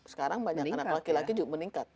sekarang banyak anak laki laki juga meningkat